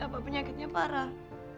apa penyakitnya parah